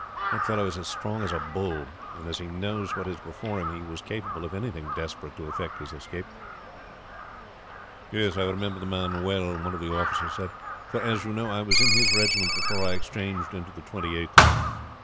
The fellow is as strong as a bull, and as he knows what is before him he was capable of anything desperate to effect his escape." "I remember the man well," one of the officers said; "for, as you know, I was in his regiment before I exchanged into the Twenty eighth.